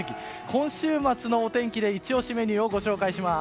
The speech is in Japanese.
今週末のお天気でイチ押しメニューをご紹介します。